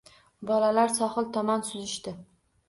Bolalar sohil tomon suzishdi